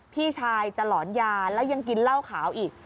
พี่ชายจะหลอนยาแล้วยังกินเหล้าขาวอีก